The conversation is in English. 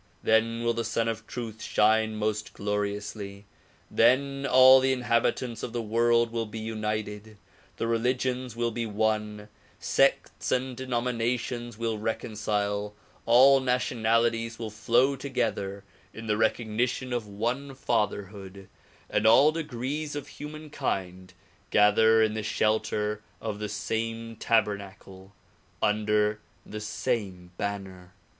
Then will the Sun of Truth shine most gloriously; then all the inhabitants of the world will be united, the religions will be one, sects and denominations will reconcile, all nationalities will flow together in the recognition of one fatherhood and all degrees of humankind gather in the shelter of the same tabernacle, under the same banner.